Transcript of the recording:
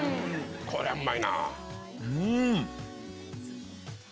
これうまいなぁ。